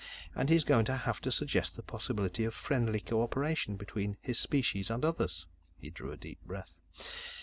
And he's going to have to suggest the possibility of friendly co operation between his species and others." He drew a deep breath.